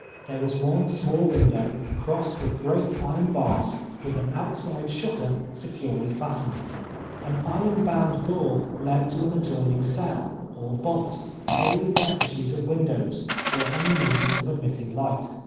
There was one small window, crossed with great iron bars, with an outside shutter, securely fastened. An iron bound door led into an adjoining cell, or vault, wholly destitute of windows, or any means of admitting light.